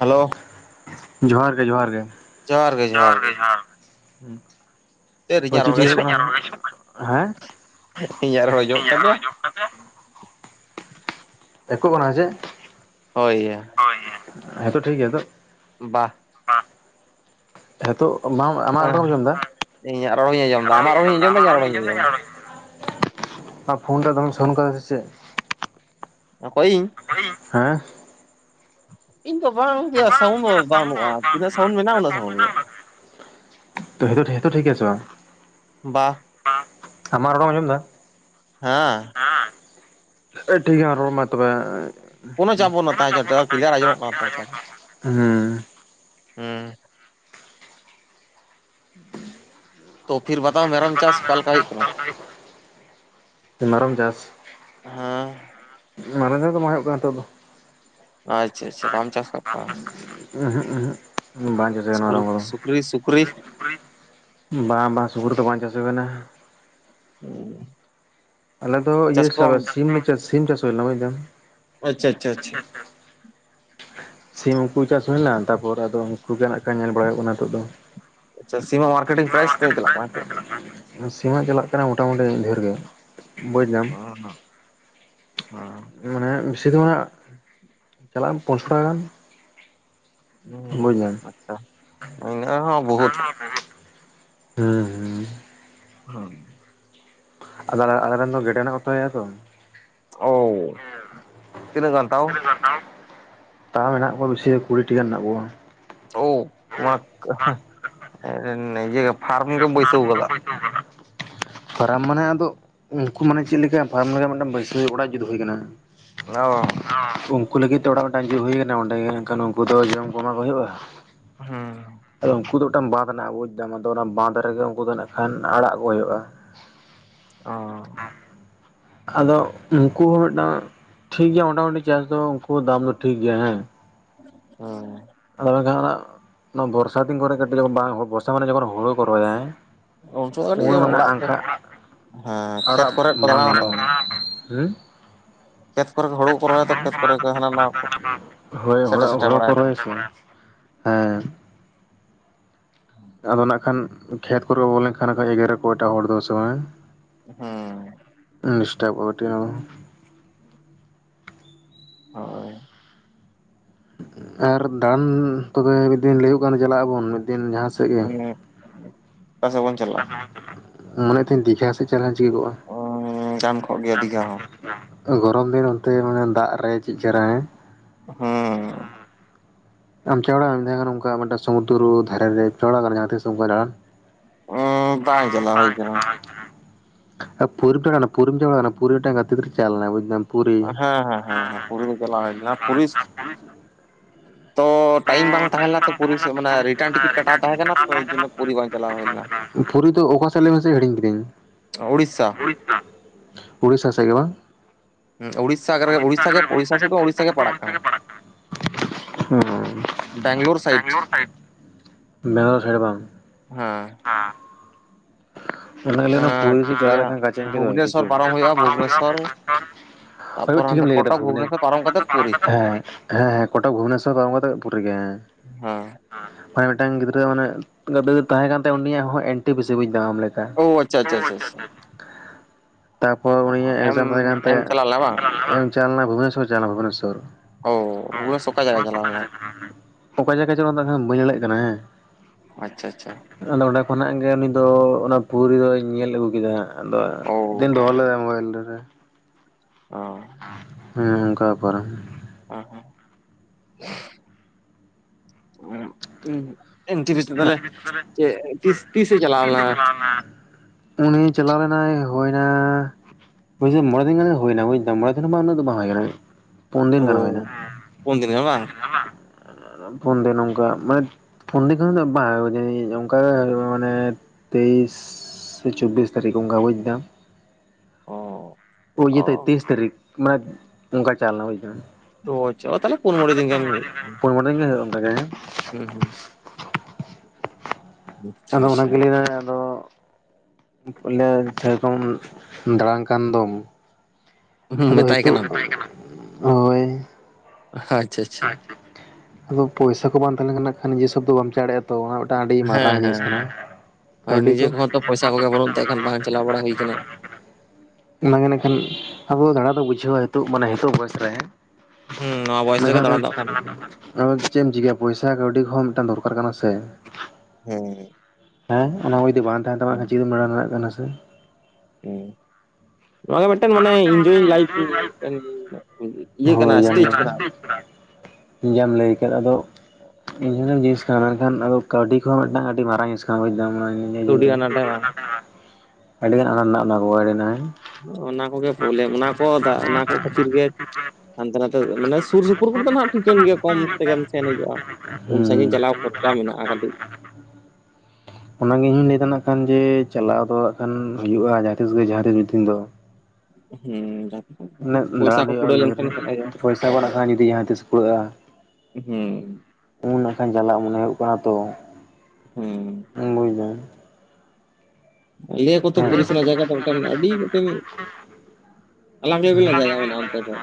Hello ᱡᱚᱦᱟᱨ ᱜᱮ ᱡᱚᱦᱟᱨ ᱜᱮ ᱡᱚᱦᱟᱨ ᱜᱮ ᱡᱚᱦᱟᱨ ᱜᱮ᱾ ᱦᱩᱸ ᱛᱮᱫ ᱯᱚ ᱤᱧᱟᱹᱜ ᱪᱮᱜ ᱨᱚᱲ ᱜᱮ ᱪᱤᱠᱟ ᱟᱸᱡᱚᱢᱚᱜ ᱤᱧ ᱠᱟᱱᱟ ᱟᱜ ᱨᱚᱲ ᱟᱱᱡᱚᱢᱚᱜ ᱠᱟᱱ ᱛᱮ ᱦᱮᱸ ᱤᱧᱟᱹᱜ ᱨᱚᱲ ᱟᱸᱡᱚᱢᱚᱜ ᱤᱧ ᱟᱜ ᱠᱟᱱ ᱨᱚᱲ ᱛᱟᱭᱟ ᱟᱱᱡᱚᱢᱚᱜ ᱠᱟᱱ ᱛᱮ? ᱮᱠᱚᱜ ᱠᱟᱱᱟ ᱥᱮ ᱪᱮ? ᱦᱳᱭ ᱤᱭᱟᱹ᱾ ᱦᱳᱭ ᱤᱭᱟᱹ᱾ ᱦᱮᱸᱛᱚᱜ ᱴᱷᱤᱠ ᱜᱮᱭᱟ ᱦᱮᱸᱛᱚᱜ? ᱵᱟᱦ᱾ ᱵᱟᱦ᱾ ᱦᱮᱸᱛᱚᱜ? ᱵᱟᱢ ᱟᱢᱟᱜ ᱨᱚᱲ ᱮᱢ ᱟᱡᱚᱢ ᱫᱟ ᱤᱧᱟᱹᱜ ᱨᱚᱲ ᱦᱚᱧ ᱟᱸᱡᱚᱢ ᱤᱧᱟᱜ ᱮᱫᱟ ᱨᱚᱲ ᱟᱢᱟᱜ ᱤᱧ ᱟᱡᱚᱢ ᱦᱚᱧ ᱮᱫᱟ ᱟᱸᱡᱚᱢ ᱟᱢᱟᱜ ᱤᱧᱟᱹᱜ ᱨᱚᱲ ᱦᱚᱧ ᱟᱡᱚᱢ ᱟᱸᱡᱚᱢ ᱫᱟ᱾ ᱟ ᱯᱷᱳᱱ ᱴᱟᱜ ᱫᱚᱢᱮ ᱥᱟᱣᱩᱱ ᱠᱟᱫᱟᱜ ᱥᱮ ᱪᱮᱫ? ᱚᱠᱚᱭ ᱤᱧ? ᱦᱮᱸ᱾ ᱤᱧ ᱫᱚ ᱵᱟᱝ [unintelligible] ᱜᱮᱭᱟ ᱥᱟᱣᱩᱱᱰ ᱫᱚ ᱵᱟᱹᱱᱩᱜᱼᱟ ᱛᱤᱱᱟᱹᱜ ᱥᱟᱣᱩᱱᱰ ᱢᱮᱱᱟᱜᱼᱟ ᱩᱱᱟᱹᱜ ᱥᱟᱣᱩᱱᱰ ᱜᱮ ᱦᱮᱸᱛᱚᱜ ᱦᱮᱸᱛᱚᱜ ᱴᱷᱤᱠ ᱜᱮᱭᱟ ᱥᱮ ᱵᱟᱝ? ᱵᱟ᱾ ᱟᱢᱟᱜ ᱨᱚᱲ ᱮᱢ ᱟᱡᱚᱢ ᱫᱟ? ᱦᱮᱸ ᱦᱟᱸ ᱴᱷᱤᱠ ᱜᱮᱭᱟ ᱨᱚᱲ ᱢᱮ ᱛᱚᱵᱮ ᱠᱳᱱᱳ ᱪᱟᱯ ᱵᱟᱱᱩᱜ ᱛᱟᱦᱮᱪᱚᱱᱚᱜ ᱠᱞᱤᱭᱟᱨ ᱟᱸᱡᱚᱢᱚᱜ ᱠᱟᱱᱟ ᱛᱚ ᱦᱩᱸ ᱦᱩᱸ [unintelligible] ᱛᱚ ᱯᱷᱤᱨ ᱵᱟᱛᱟᱣ ᱢᱮᱨᱚᱢ ᱪᱟᱥ ᱚᱠᱟᱞᱮᱠᱟ ᱦᱩᱭᱩᱜ ᱠᱟᱱᱟ? ᱢᱮᱨᱚᱢ ᱦᱮᱸ ᱢᱟᱱᱮ ᱫᱚ ᱵᱟᱝ ᱦᱩᱭᱩᱜ ᱠᱟᱱᱟ ᱱᱤᱛᱚᱜ ᱫᱚ ᱟᱪᱪᱷᱟ ᱟᱪᱪᱷᱟ ᱵᱟᱢ ᱪᱟᱥ ᱠᱟᱜ ᱠᱚᱣᱟ ᱩᱸᱦᱩᱜ ᱩᱸᱦᱩᱜ ᱵᱟᱝ ᱪᱟᱥ ᱠᱟᱱᱟ ᱥᱩᱠᱨᱤ ᱢᱮᱨᱚᱢ ᱠᱚᱫᱚ᱾ ᱥᱩᱠᱨᱤ ᱥᱩᱠᱨᱤ [unintelligible] ᱵᱟᱝ ᱵᱟᱝ ᱥᱩᱠᱨᱤ ᱫᱚ ᱵᱟᱝ ᱪᱟᱥ ᱦᱩᱭ ᱠᱟᱱᱟ᱾ ᱟᱞᱮ ᱫᱚ ᱪᱟᱥ ᱠᱚᱢ ᱤᱭᱟᱹ ᱥᱤᱢ ᱞᱮ ᱪᱟᱥ ᱥᱤᱢ ᱪᱟᱥ ᱦᱩᱭ ᱞᱮᱫ ᱵᱩᱡᱽ ᱫᱟᱢ᱾ ᱟᱪᱪᱷᱟ ᱟᱪᱪᱷᱟ ᱟᱪᱪᱷᱟ᱾ ᱥᱤᱢ ᱩᱱᱠᱩ ᱪᱟᱥ ᱦᱩᱭᱱᱟ ᱛᱟᱯᱚᱨ ᱟᱫᱚ ᱩᱱᱠᱩ ᱜᱮ ᱦᱟᱜ ᱠᱷᱟᱱ ᱧᱮᱞ ᱵᱟᱲᱟᱭ ᱦᱩᱭᱩᱜ ᱠᱟᱱᱟ ᱱᱤᱛᱚᱜ ᱫᱚ᱾ ᱟᱪᱪᱷᱟ ᱥᱤᱢᱟ ᱢᱟᱨᱠᱮᱴᱤᱝ ᱯᱨᱟᱭᱤᱥ ᱛᱤᱱᱟᱹᱜ ᱪᱟᱞᱟᱜ ᱠᱟᱱᱟ ᱱᱤᱛᱚᱜ ᱥᱤᱢ ᱟᱜ ᱪᱟᱞᱟᱜ ᱠᱟᱱᱟ ᱢᱚᱴᱟ ᱢᱩᱴᱤ ᱰᱷᱮᱨ ᱜᱮ ᱵᱩᱡᱽ ᱫᱟᱢ ᱚᱱᱳ ᱦᱚᱸ ᱢᱟᱱᱮ ᱵᱮᱥᱤ ᱫᱚᱦᱟᱜ ᱪᱟᱞᱟᱜ-ᱟ ᱯᱩᱱᱥᱚ ᱴᱟᱠᱟ ᱜᱟᱱ ᱵᱩᱡ ᱦᱩᱸ ᱫᱟᱢ ᱟᱪᱪᱷᱟᱱᱟ ᱩᱱᱟᱜ ᱦᱚᱸ ᱵᱚᱦᱩᱛᱼᱼ ᱦᱩᱸ ᱦᱩᱸ ᱦᱩᱢ ᱟᱫᱚ ᱟᱞᱮᱨᱮᱱ ᱫᱚ ᱜᱮᱰᱮ ᱢᱮᱱᱟᱜ ᱠᱚᱛᱟ ᱞᱮᱭᱟ ᱛᱚ᱾ ᱚᱣ ᱛᱤᱱᱟᱹᱜ ᱜᱟᱱ ᱛᱟᱣ? ᱛᱟᱣ ᱢᱮᱱᱟᱜ ᱠᱚᱣᱟ ᱵᱮᱥᱤ ᱜᱮ ᱠᱩᱲᱤᱴᱤ ᱜᱟᱱ ᱢᱮᱱᱟᱜ ᱠᱚᱣᱟ᱾ ᱳ ᱢᱟᱠ ᱤᱭᱟᱹ ᱯᱷᱟᱨᱢ ᱜᱮᱢ ᱵᱟᱹᱭᱥᱟᱹᱣ ᱠᱟᱫᱟ ᱯᱷᱟᱨᱟᱢ ᱢᱟᱱᱮ ᱟᱫᱚ ᱩᱱᱠᱩ ᱢᱟᱱᱮ ᱪᱮᱫ ᱞᱮᱠᱟ ᱯᱷᱟᱨᱟᱢ ᱞᱮ ᱢᱤᱫᱟᱝ ᱵᱟᱹᱭᱥᱟᱹ ᱚᱲᱟᱜ ᱡᱩᱫ ᱦᱩᱭ ᱟᱠᱟᱱᱟ᱾ ᱚ ᱩᱱᱠᱩ ᱞᱟᱹᱜᱤᱫ ᱛᱮ ᱚᱲᱟᱜ ᱢᱤᱫᱴᱟᱝ ᱡᱩᱛ ᱦᱩᱭ ᱟᱠᱟᱱᱟ ᱚᱸᱰᱮ ᱜᱮ ᱮᱠᱷᱟᱱ ᱩᱱᱠᱩ ᱫᱚ ᱡᱚᱢ ᱠᱚ ᱮᱢᱟ ᱠᱚ ᱦᱩᱭᱩᱜ-ᱟ ᱦᱩᱸ ᱟᱫᱚ ᱩᱱᱠᱩ ᱫᱚ ᱢᱤᱫᱴᱟᱱ ᱵᱟᱸᱫ ᱢᱮᱱᱟᱜ-ᱟ ᱵᱩᱡᱽᱫᱟᱢ ᱟᱫᱚ ᱚᱱᱟ ᱵᱟᱸᱫᱽ ᱨᱮᱜᱮ ᱩᱱᱠᱩ ᱫᱚ ᱱᱟᱜ ᱠᱷᱟᱱ ᱟᱲᱟᱜ ᱠᱚ ᱦᱩᱭᱩᱜ-ᱟ᱾ ᱚ ᱟᱫᱚ ᱩᱱᱠᱩ ᱦᱚᱸ ᱢᱤᱫᱴᱟᱝ ᱴᱷᱤᱠ ᱜᱮᱭᱟ ᱢᱚᱴᱟ ᱢᱩᱴᱤ ᱪᱟᱨᱪ ᱫᱚ ᱩᱱᱠᱩ ᱦᱚᱸ ᱫᱟᱢ ᱫᱚ ᱴᱷᱤᱠ ᱜᱮᱭᱟ ᱦᱮᱸ ᱦᱩᱸ ᱟᱫᱚ ᱢᱮᱱᱠᱷᱟᱱ ᱚᱱᱟ ᱚᱱᱟ ᱵᱚᱨᱥᱟ ᱫᱤᱱ ᱠᱚᱨᱮ ᱠᱟᱹᱴᱤᱡ ᱡᱚᱠᱷᱚᱱ ᱵᱟᱝ ᱵᱚᱨᱥᱟ ᱢᱟᱱᱮ ᱡᱚᱠᱷᱚᱱ ᱦᱳᱲᱩ ᱠᱚ ᱨᱚᱦᱚᱭᱟ ᱥᱚᱢᱚᱭ ᱩᱱ ᱠᱟᱹᱴᱤᱡ ᱚᱱᱟ ᱚᱲᱟᱜ ᱠᱚ ᱟᱝᱠᱷᱟᱼᱼ ᱦᱮᱸ ᱠᱷᱮᱛ ᱟᱲᱟᱜ ᱠᱚᱨᱮ ᱠᱚ ᱫᱟᱬᱟᱱᱟ ᱛᱚ [unintelligible] ᱦᱩᱸ ᱠᱷᱮᱛ ᱠᱚᱨᱮ ᱦᱩᱲᱩ ᱠᱚ ᱨᱚᱦᱚᱭᱟ ᱛᱚ ᱠᱷᱮᱛ ᱠᱚᱨᱮ ᱠᱚ ᱦᱟᱱᱟ ᱱᱟᱣᱟ ᱠᱚ ᱥᱮᱴᱮ ᱥᱮᱴᱮ ᱵᱟᱲᱟᱭᱟᱠᱚ [inaudible] ᱦᱮᱸ ᱟᱫᱚ ᱱᱟᱜ ᱠᱷᱟᱱ ᱠᱷᱮᱛ ᱠᱚᱨᱮ ᱵᱚᱞᱚ ᱞᱮᱱᱠᱷᱟᱱ ᱮᱜᱮᱨᱟᱠᱚ ᱮᱴᱟᱜ ᱦᱚᱲ ᱫᱚ ᱦᱮᱥᱮ ᱵᱟᱝ ᱦᱩᱸ [unintelligible] ᱦᱳᱭ ᱟᱨ ᱫᱟᱬᱟᱱ ᱛᱚᱵᱮ ᱢᱤᱫ ᱫᱤᱱ ᱞᱟᱹᱭ ᱦᱩᱭᱩᱜ ᱠᱟᱱ ᱫᱚ ᱪᱟᱞᱟᱜ ᱟᱵᱚᱱ ᱢᱤᱫ ᱫᱤᱱ ᱡᱟᱦᱟᱸ ᱥᱮᱫ [unintelligible] ᱚᱠᱟᱥᱮᱫ ᱵᱚᱱ ᱪᱟᱞᱟᱜᱼᱟ ᱚᱠᱟ ᱥᱮᱫ ᱵᱚᱱ ᱪᱟᱞᱟᱜ-ᱟ ᱢᱚᱱᱮ ᱮᱛ ᱛᱟᱦᱮᱱ ᱤᱧ ᱫᱤᱜᱷᱟ ᱥᱮᱫᱽ ᱪᱟᱞᱟᱣ ᱞᱮᱱᱠᱷᱟᱱ ᱪᱤᱠᱟ. ᱠᱚᱜ-ᱟ ᱜᱟᱱ ᱠᱚᱜ ᱜᱮᱭᱟ ᱜᱟᱱ ᱫᱤᱜᱷᱟ ᱠᱚᱜ ᱜᱮᱭᱟ ᱜᱚᱨᱚᱢ ᱫᱤᱱ ᱚᱱᱛᱮ ᱢᱟᱱᱮ ᱫᱟᱜᱽ ᱨᱮ ᱪᱮᱫ ᱪᱮᱦᱨᱟ ᱦᱮᱸ ᱦᱩᱸ ᱟᱢ ᱪᱟᱣᱲᱟᱜ ᱛᱟᱦᱮᱸ ᱠᱟᱱᱟ ᱚᱱᱠᱟ ᱢᱤᱫᱴᱟᱝ ᱥᱚᱢᱩᱫᱨᱩ ᱫᱷᱟᱨᱮ ᱨᱮ ᱪᱟᱣᱲᱟ ᱠᱟᱱᱟ ᱡᱟᱦᱟᱸ ᱛᱤᱥ ᱚᱱᱠᱟ ᱫᱟᱬᱟᱱ ᱦᱩᱸ ᱵᱟᱝ ᱪᱟᱞᱟᱣ ᱦᱩᱭ ᱟᱠᱟᱱᱟ ᱯᱩᱨᱤᱢ ᱪᱟᱞᱟᱣ ᱟᱠᱟᱱᱟ ᱯᱩᱨᱤᱢ ᱪᱟᱞᱟᱣ ᱟᱠᱟᱱᱟ ᱯᱩᱨᱤ ᱢᱤᱫᱴᱟᱝ ᱜᱟᱛᱮ ᱜᱤᱫᱽᱨᱟᱹ ᱪᱟᱞᱟᱣ ᱞᱮᱱᱟ ᱵᱩᱡ ᱮᱫᱟᱢ ᱦᱮᱸ ᱦᱮᱸ ᱦᱮᱸ ᱯᱩᱨᱤ ᱫᱚ ᱪᱟᱞᱟᱣ ᱦᱩᱭ ᱞᱮᱱᱟ ᱯᱩᱨᱤ ᱛᱚ ᱴᱟᱭᱤᱢ ᱵᱟᱝ ᱛᱟᱦᱮᱸ ᱞᱮᱱᱟ ᱛᱚ ᱯᱩᱨᱤ ᱥᱮᱫ ᱢᱟᱱᱮ ᱨᱤᱴᱟᱱ ᱴᱤᱠᱤᱴ ᱠᱟᱴᱟᱣ ᱛᱟᱦᱮᱸ ᱠᱟᱱᱟ ᱛᱚ ᱚᱡᱚᱱᱱᱮ ᱯᱩᱨᱤ ᱵᱟᱝ ᱪᱟᱞᱟᱣ ᱦᱩᱭ ᱞᱮᱱᱟ ᱯᱩᱨᱤ ᱫᱚ ᱚᱠᱟ ᱥᱮᱫ ᱞᱟᱹᱭ ᱢᱮᱥᱮ ᱦᱤᱲᱤᱧ ᱠᱤᱫᱤᱧ ᱩᱲᱤᱥᱥᱟ ᱩᱲᱤᱥᱥᱟ ᱥᱮᱫ ᱜᱮ ᱵᱟᱝ ᱦᱩᱸ ᱩᱲᱤᱥᱥᱟ ᱨᱮᱜᱮ ᱩᱲᱤᱥᱟ ᱩᱲᱤᱥᱥᱟ ᱜᱮ ᱨᱮᱜᱮ ᱩᱲᱤᱥᱟ ᱩᱲᱤᱥᱥᱟ ᱥᱮᱫ ᱫᱚ ᱜᱮ ᱛᱮᱫᱚ ᱯᱟᱲᱟᱜ ᱩᱲᱤᱥᱥᱟ ᱠᱟᱱᱟ ᱨᱮᱜᱮ ᱯᱟᱲᱦᱟᱜ ᱠᱟᱱᱟ ᱚ ᱵᱮᱝᱜᱟᱞᱳᱨ ᱥᱟᱭᱤᱰ᱾ ᱵᱮᱝᱜᱟᱞᱳᱨ ᱥᱟᱭᱤᱰ ᱵᱟᱝ ᱦᱚᱸ ᱦᱮᱸ ᱛᱟᱦᱚᱞᱮ ᱞᱟᱹᱭ ᱮᱫᱟᱢ ᱮᱸ ᱯᱩᱨᱤ ᱪᱮᱫ ᱥᱮᱫ ᱠᱚ ᱪᱟᱞᱟᱣ ᱞᱟᱹᱭᱟ ᱞᱮᱱᱠᱷᱟᱱ ᱠᱟᱪᱷᱮ ᱮᱢ ᱠᱮᱫᱚ ᱵᱷᱩᱵᱽᱱᱮᱥᱥᱚᱨ ᱠᱤᱪᱷᱩ᱾ ᱵᱷᱩᱵᱱᱮᱥᱥᱚᱨ ᱦᱩᱭᱩᱜᱼᱟ ᱯᱟᱨᱚᱢ ᱦᱩᱭᱩᱜ ᱟ ᱵᱷᱩᱵᱽᱱᱮᱥᱥᱚᱨ ᱵᱷᱩᱵᱱᱮᱥᱥᱚᱨ ᱦᱳᱭ ᱛᱟᱯᱚᱨ ᱴᱷᱤᱠᱮᱢ ᱦᱟᱱᱛᱮ ᱞᱟᱹᱭ ᱠᱮᱫᱟ ᱠᱚᱴᱚᱠ ᱵᱷᱩᱵᱽᱱᱮᱥᱥᱚᱨ ᱯᱟᱨᱚᱢ ᱠᱟᱛᱮ ᱯᱩᱨᱤ ᱵᱷᱩᱵᱱᱮᱥᱥᱚᱨ ᱦᱮᱸ ᱦᱮᱸ ᱦᱮᱸ ᱠᱚᱴᱚᱠ ᱵᱷᱩᱵᱱᱮᱥᱥᱚᱨ ᱯᱟᱨᱚᱢ ᱠᱟᱛᱮ ᱜᱮ ᱯᱩᱨᱤ ᱜᱮ ᱦᱮᱸ ᱦᱚᱭ ᱢᱟᱱᱮ ᱢᱤᱫᱴᱟᱝ ᱜᱤᱫᱽᱨᱟᱹ ᱢᱟᱱᱮ ᱜᱟᱛᱮ ᱛᱟᱦᱮᱸ ᱠᱟᱱ ᱛᱟᱭᱟ ᱩᱱᱤᱭᱟᱜ ᱦᱚᱸ ᱮᱱ. ᱴᱤ. ᱯᱤ. ᱥᱤ. ᱵᱩᱡ ᱮᱫᱟᱢ ᱟᱢ ᱞᱮ ᱚ ᱟᱪᱪᱷᱟ ᱟᱪᱪᱷᱟ ᱟᱪᱪᱷᱟ ᱾ ᱛᱟᱯᱚᱨ ᱩᱱᱤᱭᱟᱜ ᱮᱢ ᱮᱠᱡᱟᱢ ᱛᱟᱦᱮᱸ ᱮᱢ ᱠᱟᱱᱛᱟᱭᱟ, ᱪᱟᱞᱟᱣ ᱞᱮᱱᱟ ᱵᱟᱝ ᱮᱢ ᱪᱟᱞᱟᱣ ᱞᱮᱱᱟ ᱵᱟᱝ ᱮᱢ᱾ ᱪᱟᱞᱟᱣ ᱞᱮᱱᱟ ᱵᱷᱩᱵᱮᱥᱥᱚᱨ ᱪᱟᱞᱟᱣ ᱞᱮᱱᱟ ᱵᱷᱩᱵᱮᱥᱥᱚᱨ ᱳ ᱵᱷᱩᱵᱽᱱᱮᱥᱥᱚᱨ ᱚᱠᱟ ᱡᱟᱭᱜᱟ ᱪᱟᱞᱟᱣ ᱞᱮᱱᱟᱭ ᱚ [unintelligible] ᱚᱠᱟ ᱡᱟᱭᱜᱟ ᱢᱟᱱᱮ᱾ ᱛᱚ ᱚᱠᱟ ᱡᱟᱭᱜᱟ ᱪᱟᱞᱟᱣ ᱞᱮᱱᱟ ᱚᱱᱟᱫᱚ ᱦᱟᱸᱜ ᱠᱷᱟᱱ ᱵᱟᱹᱧ ᱞᱟᱹᱭ ᱫᱟᱲᱮᱜ ᱠᱟᱱᱟ ᱦᱮᱸ᱾ ᱟᱪᱪᱷᱟ ᱟᱪᱪᱷᱟ᱾ ᱟᱫᱚ ᱚᱸᱰᱮ ᱠᱷᱚᱱᱟᱜ ᱜᱮ ᱩᱱᱤ ᱫᱚ ᱚᱱᱟ ᱯᱩᱨᱤ ᱫᱚᱭ ᱧᱮᱞ ᱟᱹᱜᱩ ᱠᱮᱫᱟ ᱦᱟᱸᱜ᱾ ᱟᱫᱚᱭ ᱳ ᱫᱤᱱ ᱫᱚᱦᱚ ᱞᱮᱫᱟᱭ ᱢᱳᱵᱟᱭᱤᱞ ᱨᱮ ᱚ ᱦᱮᱸ ᱚᱱᱠᱟ ᱯᱟᱨᱮ ᱦᱩᱸ [unintelligible] ᱮᱱ. ᱴᱤ. ᱮᱯ. ᱥᱤ. ᱛᱟᱦᱚᱞᱮ, ᱪᱮᱫ ᱛᱤᱥ ᱛᱤᱥᱮ ᱪᱟᱞᱟᱣ ᱞᱮᱱᱟ? ᱩᱱᱤ ᱪᱟᱞᱟᱣ ᱞᱮᱱᱟᱭ ᱦᱩᱭᱱᱟ ᱵᱩᱡᱷᱟᱹᱣ ᱢᱚᱬᱮ ᱫᱤᱱ ᱜᱟᱱᱮ ᱦᱩᱭᱱᱟ ᱵᱩᱡᱽ ᱫᱟᱢ ᱢᱚᱬᱮ ᱫᱤᱱ ᱩᱱᱟᱹᱜ ᱦᱚᱸ ᱵᱟᱝ ᱦᱩᱭ ᱟᱠᱟᱱᱟ, ᱯᱩᱱ ᱳ ᱫᱤᱱ ᱜᱟᱱ ᱦᱩᱭ ᱮᱱᱟ ᱯᱩᱱ ᱫᱤᱱ ᱜᱟᱱ ᱵᱟᱝ᱾ ᱯᱩᱱ ᱚᱝᱠᱟ ᱵᱟᱴ ᱯᱷᱩᱱ ᱫᱤ ᱠᱷᱚᱱᱟᱜ ᱫᱚ ᱵᱟᱝ ᱡᱟᱹᱱᱤᱡ ᱚᱱᱠᱟ ᱦᱩᱭᱩᱜ-ᱟ ᱢᱟᱱᱮ ᱛᱮᱭᱤᱥ ᱥᱮ ᱪᱚᱵᱽᱵᱤᱥ ᱛᱟᱹᱨᱤᱠ ᱚᱝᱠᱟ ᱵᱩᱡᱽ ᱫᱟᱢ᱾ ᱚ ᱠᱩ ᱤᱭᱟᱹ ᱚ ᱛᱮ ᱛᱮᱭᱤᱥ ᱛᱟᱹᱨᱤᱠ ᱢᱟ, ᱚᱝᱠᱟ ᱪᱟᱞᱟᱣ ᱦᱩᱭ ᱠᱟᱱᱟ᱾ ᱛᱚ ᱟᱪᱪᱷᱟ ᱚ ᱛᱟᱦᱮᱞᱮ ᱯᱩᱱ ᱢᱚᱬᱮ ᱫᱤᱱ ᱜᱟᱱ ᱜᱮ ᱦᱩᱭᱩᱜ ᱼᱟ᱾ [unintelligible] ᱚᱱᱠᱟ ᱜᱮ᱾ ᱦᱩᱸ ᱦᱩᱸ᱾ ᱟᱪᱪᱷᱟ ᱟᱪᱪᱷᱟ᱾ ᱦᱮᱸ ᱟᱫᱚ ᱯᱟᱞᱮ ᱥᱮᱨᱚᱠᱚᱢ ᱫᱟᱬᱟᱱ ᱠᱟᱱ ᱫᱚᱢ᱾ ᱦᱩᱸ ᱟᱫᱚ ᱢᱮᱛᱟᱭ ᱦᱮᱛᱳᱜ, ᱛᱟᱦᱮᱸ ᱠᱟᱱᱟᱢ? ᱦᱳᱭ, ᱦᱟᱪᱪᱷᱟ ᱟᱪᱪᱷᱟ ᱾ ᱟᱫᱚ ᱯᱚᱭᱥᱟ ᱠᱚ ᱵᱟᱝ ᱛᱟᱦᱮᱸ ᱞᱮᱱᱠᱷᱟᱱ ᱱᱟᱠᱷᱟᱱ ᱱᱤᱡᱮ ᱥᱚᱵ ᱫᱚ ᱵᱟᱢ ᱪᱟ ᱫᱟᱲᱮᱜ ᱛᱚ ᱚᱱᱟ ᱢᱤᱫᱴᱟᱝ ᱟᱹᱰᱤ ᱢᱟᱨᱟᱝ ᱦᱮᱸ ᱡᱤᱱᱤᱥ ᱦᱮᱸ ᱠᱟᱱᱟ᱾ ᱦᱳᱭ ᱠᱟᱹᱣᱰᱤ ᱱᱤᱡᱮ ᱠᱚ᱾ ᱠᱚᱦᱚᱸ ᱛᱚ ᱯᱚᱭᱥᱟ ᱠᱚᱜᱮ ᱵᱟᱹᱱᱩᱜ ᱛᱮ ᱟᱠᱷᱟᱱ ᱵᱟᱝ ᱪᱟᱞᱟᱣ ᱵᱟᱲᱟ ᱦᱩᱭ ᱠᱟᱱᱟ ᱾ ᱚᱱᱟ ᱜᱮ ᱱᱟᱠᱷᱟᱱ ᱟᱵᱚ ᱫᱟᱬᱟ ᱫᱚ ᱵᱩᱡᱷᱟᱹᱣᱟ ᱦᱤᱛᱚᱜ ᱢᱟᱱᱮ ᱦᱤᱸᱛᱚᱜ ᱵᱚᱭᱮᱥ ᱨᱮ ᱦᱮᱸ᱾ ᱦᱩᱸ ᱱᱚᱣᱟ ᱵᱚᱭᱮᱥ ᱨᱮᱜᱮ ᱱᱟᱠᱷᱟᱡ ᱫᱚ ᱫᱟᱬᱟ ᱠᱷᱟᱱ [unintelligible] ᱟᱨᱚ ᱪᱮᱫ ᱮᱢ ᱪᱤᱠᱟᱹᱭᱟ ᱯᱚᱭᱥᱟ ᱠᱟᱹᱣᱰᱤ ᱦᱚᱸ ᱢᱤᱫᱴᱟᱝ ᱫᱚᱨᱠᱟᱨ ᱠᱟᱱᱟ ᱥᱮ᱾ ᱦᱳᱭ ᱦᱮᱸ ᱚᱱᱟ ᱦᱚᱸ ᱡᱩᱫᱤ ᱵᱟᱝ ᱛᱟᱦᱮᱱ ᱛᱟᱢᱟ ᱠᱷᱟᱡ ᱪᱮᱫ ᱛᱮᱢ ᱫᱟᱬᱟ ᱱᱟᱜ ᱠᱟᱱᱟ ᱥᱮ, ᱦᱩᱸ, ᱱᱚᱣᱟ ᱜᱮ ᱢᱤᱫᱴᱮᱝ ᱢᱟᱱᱮ ᱤᱱᱡᱚᱭᱤᱝ ᱞᱟᱭᱤᱯ [unintelligible] ᱦᱳᱭ ᱟᱸᱡᱟᱢ ᱫᱟᱞᱤᱧ [inaudible] ᱡᱟᱢ ᱞᱟᱹᱭ ᱠᱮᱫ ᱟᱫᱚ, [unintelligible] ᱡᱤᱱᱤᱥ ᱠᱟᱱᱟ ᱠᱷᱟᱱ ᱠᱟᱹᱣᱰᱤ ᱠᱚᱦᱚᱸ ᱢᱤᱫᱴᱟᱝ ᱟᱹᱰᱤ ᱢᱟᱨᱟᱝ ᱡᱤᱱᱤᱥ ᱠᱟᱱᱟ ᱵᱩᱡᱽ ᱫᱟᱢ [unintelligible] ᱡᱚᱢ ᱧᱩ ᱠᱟᱹᱣᱰᱤ ᱨᱮ, ᱟᱱᱟᱴ ᱦᱮᱸ ᱵᱟᱝ [unintelligible] ᱛᱟᱦᱚᱞᱮ ᱠᱷᱟᱱ [unintelligible] ᱚᱱᱟ ᱠᱚᱜᱮ ᱯᱨᱚᱵᱞᱮᱢ, ᱚᱱᱟ ᱠᱚ ᱫᱟᱜ ᱚᱱᱟ ᱠᱚ ᱠᱷᱟᱹᱛᱤᱨ ᱜᱮ ᱦᱟᱱᱛᱮ ᱱᱟᱛᱮ ᱢᱟᱱᱮ ᱥᱩᱨ ᱥᱩᱯᱩᱨ ᱠᱚᱨᱮ ᱫᱚ ᱱᱟᱦᱟᱜ ᱴᱷᱤᱠᱟᱹᱱ ᱜᱮᱭᱟ ᱠᱚᱢ ᱛᱮᱜᱮᱢ ᱥᱮᱱ ᱦᱤᱡᱩᱜᱼᱟ᱾ ᱩᱱ ᱥᱟᱺᱜᱤᱧ ᱦᱩᱸ ᱪᱟᱞᱟᱣ ᱠᱷᱚᱨᱪᱟ ᱢᱮᱱᱟᱜᱼᱟ ᱠᱟᱴᱤᱡ᱾ [inaudible] ᱚᱱᱟ ᱜᱮ ᱤᱧ ᱦᱚᱧ ᱞᱟᱹᱭᱫᱟ ᱱᱟᱜ ᱠᱷᱟᱱ ᱡᱮ ᱪᱟᱞᱟᱣ ᱫᱚ ᱦᱟᱸᱜ ᱠᱷᱟᱱ ᱦᱩᱭᱩᱜᱼᱟ, ᱡᱟᱦᱟᱸ ᱛᱤᱥ ᱜᱮ ᱡᱟᱦᱟᱸ ᱛᱤᱥ ᱢᱤᱫ ᱫᱤᱱ ᱫᱚ᱾ ᱦᱩᱸ [unintelligible] ᱩᱱᱟᱜ ᱯᱚᱭᱥᱟ ᱫᱟᱬᱟᱱ ᱠᱚ ᱦᱩᱭᱩᱜᱼᱟ ᱠᱩᱲᱟᱹᱣ ᱫᱷᱮᱨ ᱨᱮ ᱞᱮᱱᱠᱷᱟᱱ ᱥᱟᱱᱟᱭᱟ ᱯᱚᱭᱥᱟ ᱚᱱᱟᱜ ᱠᱷᱟᱱ ᱮᱢ ᱤᱫᱤᱭᱟ ᱛᱚᱵᱮ ᱥᱮ ᱠᱩᱲᱟᱹᱜᱼᱟ ᱦᱩᱸ ᱩᱱ ᱱᱟᱠᱷᱟᱱ ᱪᱟᱞᱟᱜ ᱢᱚᱱᱮ ᱦᱩᱭᱩᱜ ᱠᱟᱱᱟ ᱛᱚ ᱦᱮᱸ ᱵᱩᱡᱫᱟᱹᱧ ᱞᱟᱹᱭ ᱟᱠᱚ ᱛᱚ ᱦᱮᱸ ᱯᱚᱨᱤᱥᱱᱟ ᱡᱟᱭᱜᱟ ᱫᱚ ᱢᱤᱫᱴᱮᱱ ᱟᱹᱰᱤ ᱢᱤᱫᱴᱮᱱ ᱟᱞᱟᱱᱜᱮ ᱵᱤᱞᱟ ᱡᱟᱭᱜᱟ ᱢᱮᱱᱟᱜᱼᱟ ᱚᱱᱛᱮ ᱫᱚ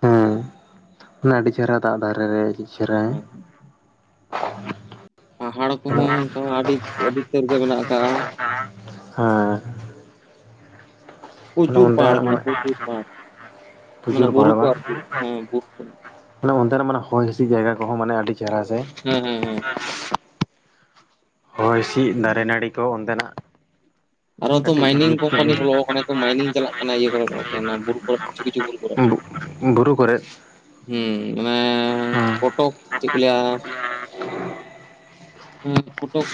ᱦᱮᱸ ᱢᱟᱱᱮ ᱟᱹᱰᱤ ᱪᱮᱦᱨᱟ ᱫᱟᱜ ᱫᱷᱟᱨᱮ ᱨᱮ ᱪᱮᱦᱨᱟ ᱦᱮᱸ [unintelligible] ᱯᱟᱦᱟᱲ ᱠᱚᱦᱚᱸ ᱚᱱᱠᱟ ᱟᱹᱰᱤ ᱟᱹᱰᱤ ᱩᱛᱟᱹᱨ ᱜᱮ ᱢᱮᱱᱟᱜ ᱟᱠᱟᱜ-ᱟ [unintelligible] ᱟᱫᱚ ᱯᱨᱚᱪᱩᱨ ᱯᱟᱦᱟᱲ ᱚᱱᱰᱮᱱᱟᱜ ᱢᱟᱱᱮ ᱢᱮᱱᱟᱜᱼᱟ ᱯᱨᱚᱪᱩᱨ ᱯᱟᱦᱟᱲ ᱯᱨᱩᱡᱩᱨ ᱢᱟᱱᱮ ᱵᱩᱨᱩ ᱠᱚ ᱵᱟᱲᱟᱣᱟ ᱟᱨᱠᱤ ᱦᱮᱸ ᱵᱩᱨᱩ ᱠᱚ ᱢᱟᱱᱮ ᱚᱱᱛᱮ ᱨᱮ ᱢᱟᱱᱮ ᱦᱚᱭ ᱦᱤᱸᱥᱤᱫ ᱡᱟᱭᱜᱟ ᱠᱚᱦᱚᱸ ᱢᱟᱱᱮ ᱟᱹᱰᱤ ᱪᱮᱦᱨᱟ ᱥᱮ ᱦᱮᱸ ᱦᱮᱸ ᱦᱮᱸ ᱦᱚᱭ ᱦᱤᱸᱥᱤᱫ ᱫᱟᱨᱮᱼ ᱱᱟᱹᱲᱤ ᱠᱚ ᱚᱱᱛᱮ ᱱᱟᱜ ᱟᱨᱚ ᱠᱟ. ᱛᱚ ᱴᱤᱜ [unintelligible] ᱢᱟᱭᱱᱤᱝ ᱠᱳᱢᱯᱟᱱᱤ ᱵᱚᱞᱚ ᱟᱠᱟᱱᱟ ᱛᱚ ᱢᱟᱭᱱᱤᱝ ᱪᱟᱞᱟᱜ ᱠᱟᱱᱟ ᱤᱭᱟᱹ ᱠᱚᱨᱮ ᱚᱱᱟ ᱵᱩᱨᱩ ᱠᱚᱨᱮ ᱠᱤᱪᱷᱩ ᱠᱤᱪᱷᱩ ᱵᱩᱨᱩ ᱠᱚᱨᱮ ᱫᱩᱲᱩᱯ... ᱵᱩᱨᱩ ᱠᱚᱨᱮ ᱦᱩᱸ ᱢᱟᱱᱮ ᱠᱚᱴᱚᱠ ᱪᱮᱫ ᱠᱚ ᱞᱟᱹᱭᱟ ᱦᱩᱸ ᱠᱚᱴᱚᱠ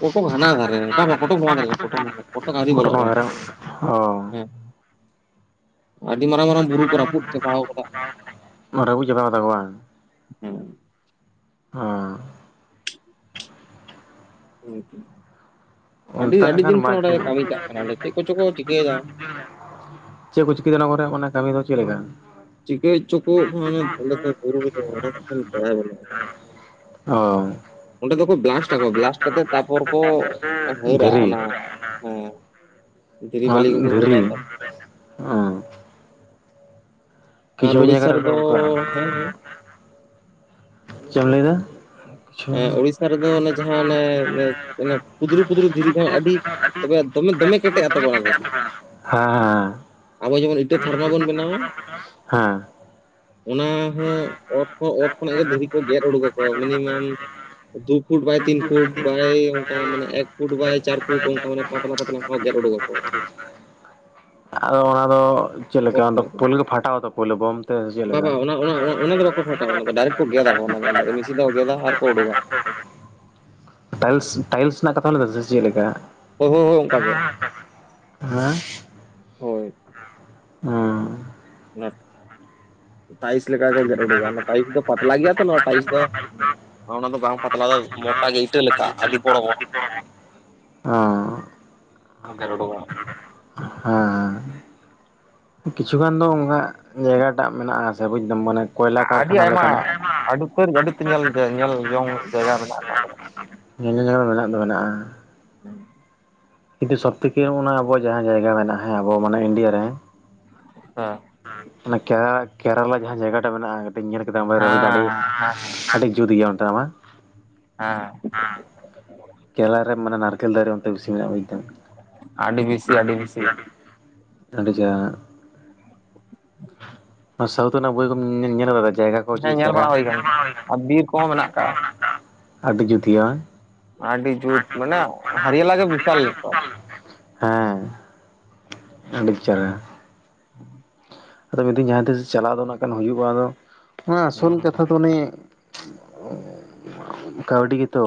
ᱠᱚᱴᱚᱠ ᱦᱟᱱᱟ ᱫᱷᱟᱨᱮ ᱨᱮ ᱵᱟᱝ ᱵᱟᱝ ᱠᱚᱴᱚᱠ ᱱᱚᱣᱟ ᱫᱷᱟᱨᱮ ᱨᱮ ᱠᱚᱴᱚᱡ ᱱᱚᱶᱟ ᱠᱚᱴᱚᱠ ᱟ. ᱣᱨᱤ ᱵᱚᱞᱚᱜ ᱨᱮ ᱦᱚ ᱟᱹᱰᱤ ᱢᱟᱨᱟᱝ ᱢᱟᱨᱟᱝ ᱵᱩᱨᱩ ᱠᱚ ᱨᱟᱹᱯᱩᱫ ᱪᱟᱵᱟ ᱟᱠᱟᱫᱟ ᱨᱟᱹᱯᱩᱫ ᱪᱟᱵᱟ ᱟᱠᱟᱫᱟ ᱠᱚ ᱵᱟᱝ ᱦᱩᱸ ᱦᱩᱸ [unintelligible] ᱟᱹᱰᱤ ᱚᱱᱛᱮ ᱟᱹᱰᱤ ᱱᱟᱜ ᱠᱷᱟᱱ ᱫᱤᱱ ᱠᱷᱚᱱ ᱱᱚᱸᱰᱮ ᱠᱟᱹᱢᱤ ᱪᱟᱞᱟᱜ ᱠᱟᱱᱟ ᱱᱚᱸᱰᱮ ᱪᱮᱫ ᱠᱚᱪᱚ ᱠᱚ ᱪᱤᱠᱟᱹᱭ ᱮᱫᱟ [unintelligible] ᱪᱮᱫ ᱠᱚ ᱪᱤᱠᱟᱹᱭ ᱮᱫᱟ ᱚᱱᱟ ᱠᱚᱨᱮ ᱚᱱᱟ ᱠᱟᱹᱢᱤ ᱫᱚ ᱪᱮᱫ ᱞᱮᱠᱟ ᱪᱤᱠᱟᱹᱭ ᱪᱚᱸ ᱠᱚ [unintelligible] ᱚᱻ ᱚᱸᱰᱮ ᱫᱚᱠᱚ ᱵᱞᱟᱥᱴ ᱟᱠᱚ ᱵᱞᱟᱥᱴ ᱠᱟᱛᱮᱜ ᱛᱟᱨᱯᱚᱨ ᱠᱚ ᱦᱟᱹᱨᱟ ᱫᱷᱤᱨᱤ ᱚᱱᱟ ᱦᱮᱸ ᱫᱷᱷᱤᱨᱤ ᱵᱟᱹᱞᱤ ᱜᱤ ᱠᱚ ᱦᱟᱹᱨ-ᱟ ᱛᱚ ᱮᱸᱻ ᱟᱨ ᱠᱚ ᱡᱟᱭᱜᱟ ᱩᱲᱤᱥᱥᱟ ᱨᱮᱫᱚ ᱚᱱᱠᱟ ᱦᱮᱸ ᱦᱮᱸ ᱪᱮᱫ ᱮᱢ ᱞᱟᱹᱭᱫᱟ ᱠᱤᱪᱷᱩ ᱮᱸᱜ ᱩᱲᱤᱥᱥᱟ ᱨᱮᱫᱚ ᱚᱱᱮ ᱡᱟᱦᱟᱸ ᱚᱱᱮ ᱚᱱᱮ ᱚᱱᱮ ᱯᱩᱫᱨᱩ ᱯᱩᱫᱨᱩ ᱫᱷᱤᱨᱤ ᱫᱚ ᱦᱟᱸᱜ ᱟᱹᱰᱤ [unintelligible] ᱛᱚᱵᱮ ᱫᱚᱢᱮ ᱫᱚᱢᱮ ᱠᱮᱴᱮᱡ-ᱟ ᱛᱚ ᱚᱱᱟ ᱫᱷᱤᱨᱤ ᱦᱮᱸ ᱟᱵᱚ ᱡᱮᱢᱚᱱ ᱤᱴᱟᱹ ᱦᱮᱸ ᱯᱷᱟᱨᱢᱟ ᱵᱚᱱ ᱵᱮᱱᱟᱣᱟ [unintelligible] ᱦᱮᱸ ᱚᱱᱟ ᱦᱚᱸ ᱚᱛ ᱚᱛ ᱠᱷᱚᱱᱟᱜ ᱜᱮ ᱫᱷᱤᱨᱤ ᱠᱚ ᱜᱮᱫ ᱩᱰᱩᱠᱜᱟ ᱠᱚ minimum [unintelligible] [unintelligible] foot by foot by ᱚᱱᱠᱟ ᱢᱟᱱᱮ ᱯᱷᱩᱴ ᱵᱟᱭ ᱯᱷᱩᱴ ᱚᱱᱠᱟ ᱢᱟᱱᱮ ᱯᱟᱛᱞᱟ ᱯᱟᱛᱞᱟ ᱚᱱᱠᱟ ᱜᱮᱫ ᱩᱰᱩᱠ ᱟᱠᱚ ᱟᱫᱚ ᱚᱱᱟ ᱫᱚ ᱪᱮᱫ ᱞᱮᱠᱟ ᱚᱛ ᱠᱷᱚᱱᱟᱜ ᱜᱮ ᱯᱚᱭᱞᱚ ᱠᱚ ᱯᱷᱟᱴᱟᱣ ᱮᱫᱟ ᱯᱚᱭᱞᱚ ᱵᱚᱢ ᱛᱮ ᱥᱮ ᱪᱮᱫ ᱞᱮᱠᱟ ᱵᱟᱵᱟ ᱚᱱᱟ ᱚᱱᱟ ᱚᱱᱮ ᱫᱚ ᱵᱟᱠᱚ ᱯᱷᱟᱴᱟᱣᱟ ᱚᱱᱟ ᱫᱚ ᱰᱟᱭᱨᱮᱠᱴ ᱠᱚ ᱜᱮᱫᱟ ᱠᱚ ᱚᱸᱰᱮ ᱜᱮ ᱢᱤᱥᱤᱱ ᱛᱮᱠᱚ ᱜᱮᱫᱟ ᱟᱨ ᱠᱚ ᱩᱰᱩᱠᱟ [unintelligible] ᱴᱟᱭᱤᱞᱥ ᱴᱟᱭᱤᱞᱥ ᱨᱮᱱᱟᱜ ᱠᱟᱛᱷᱟᱢ ᱞᱟᱹᱭ ᱮᱫᱟ ᱥᱮ ᱪᱮᱫ ᱞᱮᱠᱟ ᱦᱚᱭ ᱦᱚᱭ ᱚᱱᱠᱟ ᱜᱮ ᱟᱸ ᱦᱳᱭ ᱦᱩᱸ ᱱᱟᱛᱟ ᱴᱟᱭᱤᱞᱥ ᱞᱮᱠᱟ ᱠᱚ ᱜᱮᱫ ᱩᱰᱩᱠᱜᱟ ᱚᱱᱟ ᱴᱟᱭᱤᱞᱥ ᱫᱚ ᱯᱟᱛᱞᱟ ᱜᱮᱭᱟ ᱛᱚ ᱱᱚᱶᱟ ᱴᱟᱭᱤᱞᱥ ᱫᱚ ᱚᱱᱟ ᱫᱚ ᱵᱟᱝ ᱯᱟᱛᱞᱟᱣᱟ ᱫᱚ ᱢᱚᱴᱟ ᱜᱮ ᱤᱴᱟᱹ ᱞᱮᱠᱟ ᱟᱹᱰᱤ ᱵᱚᱲᱚ ᱵᱚᱲᱚ ᱦᱚᱸ ᱜᱮᱫ ᱩᱰᱩᱜᱚᱜ-ᱟ ᱦᱮᱸ ᱠᱤᱪᱷᱩ ᱜᱟᱱ ᱫᱚ ᱚᱱᱠᱟ ᱡᱟᱭᱜᱟ ᱴᱟᱜ ᱢᱮᱱᱟᱜᱼᱟ ᱥᱮ ᱵᱩᱡᱽ ᱫᱟᱢ ᱢᱟᱱᱮ, ᱠᱚᱭᱞᱟ ᱟᱹᱰᱤ ᱠᱟᱨᱠᱷᱟᱱᱟ ᱟᱭᱢᱟ ᱞᱮᱠᱟᱱᱟᱜ [unintelligible] ᱟᱹᱰᱤ ᱩᱛᱟᱹᱨ ᱟᱹᱰᱤ ᱩᱛᱟᱹᱨ ᱧᱮᱞ ᱧᱮᱞ ᱡᱚᱝ ᱡᱟᱭᱜᱟ ᱢᱮᱱᱟᱜ ᱟᱠᱟᱫᱟ ᱧᱮᱸᱧᱮᱸ ᱡᱟᱜᱟ ᱠᱚ ᱢᱮᱱᱟᱜ ᱫᱚ ᱢᱮᱱᱟᱜ-ᱟ [unintelligible] ᱠᱤᱱᱛᱩ ᱥᱚᱵᱽ ᱛᱷᱮᱠᱮ ᱚᱱᱟ ᱟᱵᱚ ᱡᱟᱦᱟᱸ ᱡᱟᱭᱜᱟ ᱢᱮᱱᱟᱜ-ᱟ ᱦᱮᱸ ᱟᱵᱚ ᱢᱟᱱᱮ ᱤᱱᱰᱤᱭᱟ ᱨᱮ ᱦᱮᱸ ᱚᱱᱟ ᱠᱮᱨᱟ ᱠᱮᱨᱟᱞᱟ ᱡᱟᱦᱟᱸ ᱡᱟᱭᱜᱟ ᱴᱟᱜ ᱢᱮᱱᱟᱜ-ᱟ ᱴᱤᱡ ᱧᱮᱞ ᱠᱮᱫᱟ ᱢᱚᱵᱟᱭᱤᱞ ᱨᱮ ᱦᱮᱸ ᱵᱩᱡᱽ ᱫᱟ ᱟᱹᱰᱤ ᱟᱹᱰᱤ ᱡᱩᱛ ᱜᱮᱭᱟ ᱚᱱᱛᱮᱱᱟᱜ ᱢᱟ ᱦᱮᱸ ᱦᱮᱸ ᱠᱮᱞᱟᱨᱮ ᱢᱟᱱᱮ ᱱᱟᱨᱠᱮᱞ ᱫᱟᱨᱮ ᱵᱤᱥᱤ ᱢᱮᱱᱟᱜ-ᱟ ᱵᱩᱡᱽ ᱫᱟᱢ ᱟᱹᱰᱤ ᱵᱮᱥᱤ ᱵᱮᱥᱤ [unintelligible] ᱟᱹᱰᱤ ᱪᱮᱦᱨᱟ ᱥᱟᱣᱩᱛᱷ ᱨᱮᱱᱟᱜ ᱵᱳᱭ ᱠᱚᱢ ᱧᱮᱸ ᱧᱮᱸᱞ ᱟᱠᱟᱫᱟ? ᱡᱟᱭᱜᱟ ᱠᱚ? ᱢᱚᱡᱽ ᱦᱮᱸ ᱜᱤ ᱪᱮᱦᱨᱟ ᱵᱟᱲᱟ ᱜᱚᱝᱠᱮ ᱦᱩᱭ ᱟᱠᱟᱱ ᱧᱮᱞ ᱜᱮᱭᱟ ᱵᱟᱲᱟ ᱦᱩᱭ ᱟᱨ ᱵᱤᱨ ᱠᱚᱦᱚᱸ ᱢᱮᱱᱟᱜ ᱟᱠᱟᱜᱼᱟ ᱠᱟᱱᱟ [unintelligible] ᱟᱰᱤ ᱡᱩᱛ ᱜᱮᱭᱟ ᱵᱟᱝ? ᱟᱰᱤ ᱡᱩᱛ ᱢᱟᱱᱮ ᱦᱟᱨᱤᱭᱟ ᱞᱟᱜᱮ ᱵᱤᱥᱟᱞ ᱵᱮᱯᱟᱨ ᱦᱮᱸ ᱟᱹᱰᱤ ᱪᱮᱦᱨᱟ [inaudible] ᱟᱫᱚ ᱢᱤᱫ ᱫᱤᱱ ᱡᱟᱦᱟᱸ ᱛᱤᱥ ᱪᱟᱞᱟᱜ ᱫᱚ ᱱᱟᱜ ᱠᱷᱟᱱ ᱦᱩᱭᱩᱜ-ᱟ ᱟᱫᱚ ᱚᱱᱟ ᱟᱥᱚᱞ ᱦᱩᱸ ᱠᱟᱛᱷᱟ ᱫᱚ ᱩᱱᱤ ᱠᱟᱹᱣᱰᱤ ᱜᱮ ᱛᱚ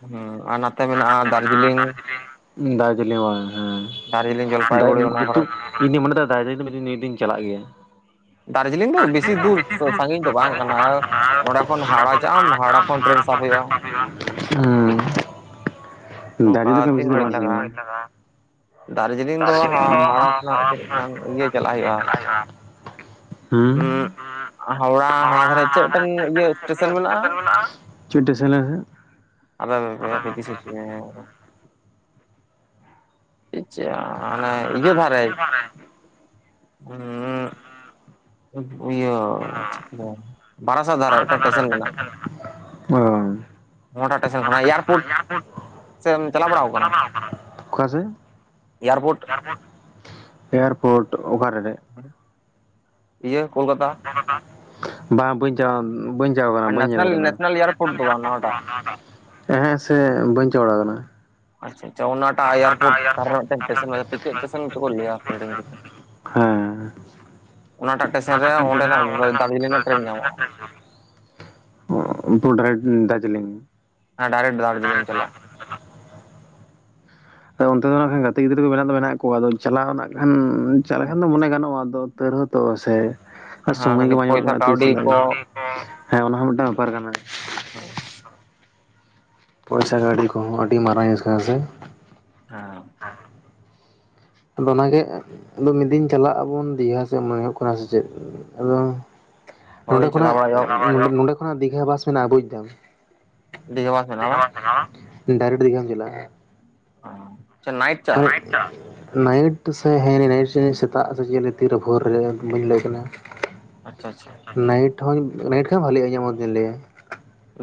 ᱦᱮᱸ ᱟᱨ ᱱᱟᱸᱛᱮ ᱢᱮᱱᱟᱜ-ᱟ ᱢᱮᱱᱟᱜ-ᱟ ᱫᱟᱨᱡᱤᱞᱤᱝ ᱫᱟᱨᱡᱤᱞᱤᱝ ᱵᱟᱝ ᱫᱟᱨᱡᱤᱞᱤᱝ ᱦᱮᱸ [unintelligible] ᱡᱚᱞᱯᱟᱭᱜᱩᱲᱤ ᱚᱱᱟ ᱤᱧ ᱠᱚᱨᱮ ᱫᱚᱧ ᱢᱚᱱᱮ ᱫᱟ ᱫᱟᱨᱡᱤᱞᱤᱝ ᱫᱚ ᱢᱤᱫ ᱫᱤᱱ ᱱᱤᱭᱟᱹ ᱫᱤᱱ ᱪᱟᱞᱟᱜ ᱜᱮᱭᱟ ᱫᱟᱨᱡᱤᱞᱤᱝ ᱫᱚ ᱵᱮᱥᱤ ᱫᱩᱨ, ᱥᱟᱸᱜᱤᱧ ᱫᱚ ᱵᱟᱝ ᱠᱟᱱᱟ ᱱᱚᱸᱰᱮ ᱠᱷᱚᱱ ᱦᱟᱣᱲᱟ ᱪᱟᱜ ᱟᱢ, ᱦᱟᱣᱲᱟ ᱠᱷᱚᱱ ᱴᱨᱮᱱ ᱥᱟᱵᱽ ᱦᱩᱭᱩᱜ-ᱟ᱾ ᱦᱩᱸ ᱫᱟᱨᱤ ᱱᱚᱝᱠᱟ ᱫᱚ ᱛᱤᱱ ᱜᱷᱟᱹᱲᱤᱡ ᱞᱟᱜᱟᱜᱼᱟ [unintelligible] ᱫᱟᱨᱡᱤᱞᱤᱝ ᱫᱚ ᱦᱟ ᱦᱟᱣᱲᱟ ᱠᱷᱚᱱᱟᱜ ᱦᱟᱵᱤᱡ ᱠᱷᱟᱱ ᱤᱭᱟᱹ ᱪᱟᱞᱟᱜ ᱦᱩᱭᱩᱜᱼᱟ [unintelligible] ᱦᱩᱸ ᱩᱸ ᱦᱟᱣᱲᱟ ᱦᱟᱱᱟ ᱫᱷᱟᱨᱮ ᱪᱮᱫᱴᱟᱝ ᱤᱭᱟᱹ ᱥᱴᱮᱥᱚᱱ ᱢᱮᱱᱟᱜᱼᱟ ᱪᱮᱫ ᱴᱮᱥᱮᱱ? [unintelligible] ᱟᱫᱚ [unintelligible] ᱪᱮᱫ ᱢᱟᱱᱮ ᱤᱭᱟᱹ ᱫᱷᱟᱨᱮ [unintelligible] ᱤᱭᱟᱹ ᱵᱟᱨᱟᱥᱟᱛ ᱫᱷᱟᱨᱮ ᱢᱤᱫᱴᱟᱝ ᱴᱮᱥᱮᱱ ᱢᱮᱱᱟᱜᱼᱟ ᱚ ᱚᱱᱟ ᱴᱟᱜ ᱴᱮᱥᱚᱱ ᱠᱷᱚᱱᱟᱜ ᱮᱭᱟᱨᱯᱳᱨᱴ ᱥᱮ ᱮᱢ ᱪᱟᱞᱟᱣ ᱵᱟᱲᱟ ᱟᱠᱟᱱᱟ? ᱚᱠᱟ ᱥᱮᱫ? ᱮᱭᱟᱨᱯᱳᱨᱴ? ᱮᱭᱟᱨᱯᱳᱨᱴ ᱚᱠᱟᱨᱮ ᱨᱮ? ᱤᱭᱟᱹ ᱠᱳᱞᱠᱟᱛᱟ [unintelligible] ᱵᱟᱝ ᱵᱟᱹᱧ ᱪᱟᱞᱟᱣ, ᱵᱟᱹᱧ ᱪᱟᱞᱟᱣ ᱠᱟᱱᱟ, ᱟᱨ ᱵᱟᱹᱧ ᱧᱮᱞ ᱱᱮᱥᱱᱮᱞ ᱠᱟᱫᱟ ᱱᱮᱥᱱᱮᱞ ᱮᱭᱟᱨᱯᱳᱨᱴ ᱫᱚ ᱵᱟᱝ ᱱᱟᱣᱟᱴᱟᱜ ᱮᱸᱦᱮᱜ ᱥᱮ ᱵᱟᱹᱧ ᱪᱟᱞᱟᱣ ᱵᱟᱲᱟ ᱠᱟᱱᱟ ᱟᱪᱪᱷᱟ ᱟᱪᱪᱷᱟ ᱚᱱᱟᱴᱟᱜ ᱮᱭᱟᱨᱯᱳᱨᱴ ᱢᱤᱫᱴᱟᱝ ᱴᱮᱥᱮᱱ [unintelligible] ᱦᱮᱸ ᱚᱱᱟᱴᱟᱜ ᱴᱮᱥᱚᱱ ᱨᱮ ᱚᱸᱰᱮᱱᱟᱜ ᱫᱟᱨᱡᱤᱞᱤᱝ ᱨᱮᱱᱟᱜ ᱴᱨᱮᱹᱱ ᱧᱟᱢᱚᱜᱼᱟ [unintelligible] ᱫᱟᱨᱡᱤᱞᱤᱝ ᱦᱮᱸ ᱰᱟᱭᱨᱮᱴ ᱫᱟᱨᱡᱤᱞᱤᱝ ᱪᱟᱞᱟᱜ ᱟᱫᱚ ᱚᱱᱛᱮ ᱫᱚ ᱱᱟᱜ ᱠᱷᱟᱱ ᱜᱟᱛᱮ ᱜᱤᱫᱽᱨᱟᱹ ᱠᱚ ᱢᱮᱱᱟᱜ ᱫᱚ ᱢᱮᱱᱟᱜ ᱠᱚᱣᱟ ᱟᱫᱚ ᱪᱟᱞᱟᱣ ᱱᱟᱜ ᱠᱷᱟᱱ ᱪᱟᱞᱟᱜ ᱠᱷᱟᱱ ᱫᱚ ᱢᱚᱱᱮ ᱜᱟᱱᱚᱜᱼᱟ ᱟᱫᱚ ᱛᱟᱹᱣ ᱨᱮᱦᱚᱸ ᱛᱚ ᱥᱮ ᱟᱨ ᱦᱮᱸ ᱥᱚᱢᱚᱭ ᱜᱮ ᱠᱟᱹᱴᱤᱡ ᱵᱟᱝ ᱧᱟᱢᱚᱜ ᱯᱚᱭᱥᱟ ᱠᱟᱱᱟ ᱛᱤᱥ ᱠᱟᱹᱣᱰᱤ ᱠᱚ [unintelligible] ᱦᱮᱸ ᱚᱱᱟ ᱦᱚᱸ ᱢᱤᱫᱴᱟᱝ ᱵᱮᱯᱟᱨ ᱠᱟᱱᱟ [unintelligible] ᱯᱚᱭᱥᱟ ᱜᱟᱹᱰᱤ ᱠᱚᱦᱚᱸ ᱟᱹᱰᱤ ᱢᱟᱨᱟᱝ ᱟᱹᱥᱠᱟᱹ ᱥᱮ ᱦᱟ ᱟᱫᱚ ᱚᱱᱟᱜᱮ ᱟᱫᱚ ᱢᱤᱫ ᱫᱤᱱ ᱪᱟᱞᱟᱜ ᱟᱵᱚᱱ ᱫᱤᱜᱷᱟ ᱥᱮᱮᱫ ᱢᱚᱱᱮ ᱦᱩᱭᱩᱜ ᱠᱟᱱᱟ ᱥᱮ ᱪᱮᱫ ᱟᱫᱚ ᱱᱚᱰᱮ ᱦᱳᱭ ᱪᱟᱞᱟᱣ ᱠᱷᱚᱱᱟᱜ ᱵᱟᱲᱟ ᱦᱩᱭᱩᱜᱼᱟ ᱱᱚᱰᱮ ᱠᱷᱚᱱᱟᱜ ᱫᱤᱜᱷᱟ ᱵᱟᱥ ᱢᱮᱱᱟᱜᱼᱟ ᱵᱵᱩᱡᱽᱫᱟᱟᱢ ᱫᱤᱜᱷᱟ ᱵᱟᱥ ᱢᱮᱱᱟᱜᱼᱟ ᱰᱟᱭᱨᱮᱠᱴ ᱫᱤᱜᱟᱢ ᱵᱚᱱ ᱪᱟᱞᱟᱜ ᱟᱜ ᱟᱪᱪᱷᱟ ᱱᱟᱭᱤᱛ ᱛᱮ ᱦᱟᱴ ᱱᱟᱭᱤᱴ ᱛᱮ ᱥᱮ ᱦᱮ ᱱᱟᱭᱤᱴ ᱥᱮ ᱥᱮᱛᱟᱜ ᱥᱮ ᱪᱮᱫ ᱛᱤᱨᱮ ᱵᱷᱳᱨ ᱨᱮ ᱵᱟᱹᱧ ᱞᱟᱹᱭ ᱠᱟᱱᱟ ᱟᱪᱪᱷᱟ ᱟᱪᱪᱷᱟ ᱱᱟᱭᱤᱴ ᱦᱚᱸ ᱱᱟᱭᱤᱴ ᱠᱷ ᱵᱟᱹᱞᱤᱮᱜᱜᱼᱟ ᱤᱧᱟᱹᱜ ᱢᱡᱽᱤᱧ ᱞᱟᱹᱭᱟ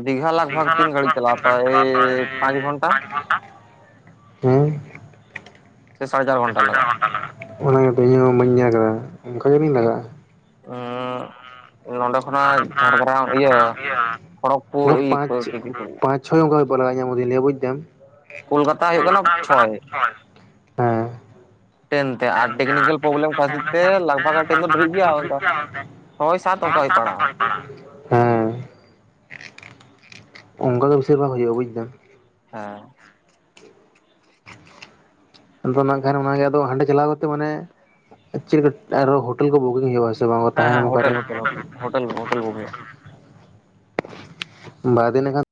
ᱫᱤᱜᱷᱟ ᱞᱟ ᱫᱤᱜᱷᱟ ᱞᱟ ᱥᱟᱨ ᱛᱤᱱ ᱜᱟᱹᱲ ᱪ ᱯᱟᱸᱪ ᱜᱷᱚᱱᱴᱟ ᱜᱴ ᱥᱮ ᱥᱟᱲᱮ ᱪᱟᱨ ᱜᱷᱚᱱᱴᱟ ᱞᱟᱜᱟᱜᱼᱟ ᱜ ᱚᱱᱟᱱᱟᱜᱚ ᱤᱧᱦᱚᱸ ᱵᱟᱹᱧ ᱧᱮᱞ ᱟᱠᱟᱫᱟ ᱚᱱᱠᱟ ᱜᱮᱞᱤᱤᱧ ᱞᱟᱜᱟᱜᱼᱟ ᱟᱨ ᱱᱚᱰᱮ ᱠᱷᱚᱱᱟᱜ ᱡᱷᱟᱲᱜᱨᱟᱢ ᱤᱭᱟᱹ ᱠᱷᱚᱨᱚᱜ ᱯᱩᱨ ᱠᱚ ᱤᱭᱟᱹ ᱠᱚ ᱪᱤᱼᱟ ᱪᱷᱚᱚᱱᱠᱟ ᱯ ᱞᱟᱜᱼᱟᱟᱧᱟᱹᱭ ᱵᱩᱡᱽ ᱫᱟᱢ ᱠᱳᱞᱠᱟᱛᱟ ᱦᱩᱭᱩᱜ ᱠᱟᱱᱟ ᱪᱷᱚᱭ ᱦᱮᱸ ᱴᱨᱟᱤᱱ ᱛᱮ ᱟᱨ ᱴᱮᱠᱱᱤᱠᱮᱞ ᱯᱨᱚᱵᱞᱮᱢ ᱠᱷᱟᱹᱛᱤᱨ ᱛᱮ ᱞᱟᱜ ᱵᱷᱟᱜᱟᱜ ᱠᱟᱹᱴᱤᱡ ᱫᱚ ᱰᱤᱨᱤ ᱜᱮᱭᱟ ᱦᱳᱭ ᱥᱟᱛ ᱚᱝᱠᱟᱣ ᱯᱟᱲᱟ ᱟᱜ ᱯᱟᱲᱟ ᱚᱝᱠᱟ ᱫᱚ ᱵᱤᱥᱤᱨ ᱵᱷᱟᱜ ᱦᱩᱭᱩᱜᱼᱟ ᱵᱩᱡ ᱮᱫᱟ ᱦᱟ ᱟᱫᱚ ᱠᱷᱟᱱ ᱚᱱᱟᱜᱮ ᱟᱫᱚ ᱦᱟᱸᱰᱮ ᱪᱟᱞᱟᱣ ᱠᱟᱛᱮᱜ ᱢᱟᱱᱮ ᱪ ᱟᱨᱦᱚ ᱦᱳᱴᱮᱞ ᱠᱚ ᱵᱩᱠᱤᱝ ᱦᱮ ᱦᱮᱸ ᱦᱮᱸ hotel hotel hotel hotel hotel ᱵᱩᱜ ᱦᱩᱭᱩ- ᱟ ᱵᱟᱹᱭ ᱤᱫᱤ ᱞᱮᱠᱦᱟᱱ